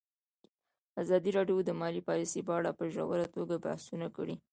ازادي راډیو د مالي پالیسي په اړه په ژوره توګه بحثونه کړي.